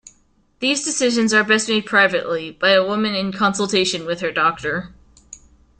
These decisions are best made privately by a woman in consultation with her doctor.